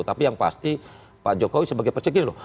tapi yang pasti pak jokowi sebagai persegi loh